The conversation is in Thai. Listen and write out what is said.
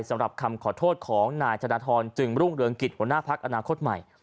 สำหรับคำขอโทษของนายธนทรจึงรุ่งเรืองกิจหัวหน้าพักอนาคตใหม่